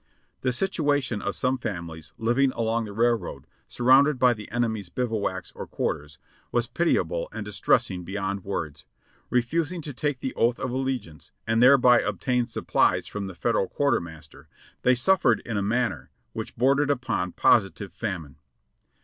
The situation of some families living along the railroad, sur rounded by the enemy's bivouacs or quarters, was pitiable and distressing beyond words. Refusing to take the oath of alle giance, and thereby obtain supplies from the Federal quarter master, they suffered in a manner which bordered upon positive famine.